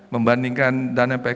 membandingkan dana pihak